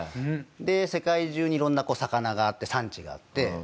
で世界中に色んな魚があって産地があって。